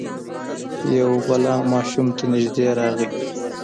یو بلا ماشوم ته نژدې راغی.